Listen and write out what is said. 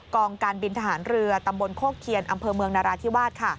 กองการบินทหารเรือตำบลโคกเคียนอำเภอเมืองนราธิวาส